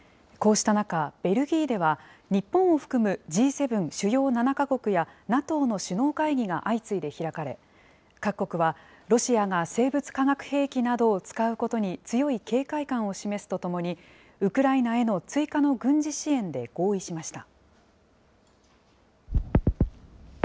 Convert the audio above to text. こうした中、ベルギーでは、日本を含むＧ７・主要７か国やＮＡＴＯの首脳会議が相次いで開かれ、各国は、ロシアが生物・化学兵器などを使うことに、強い警戒感を示すとともに、ウクライナへの追加の軍事支援で合意しました。